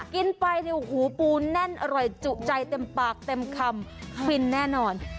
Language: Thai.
กินไปหูปูแน่นอร่อยจุใจเต็มปากเต็มคำควินแน่นอน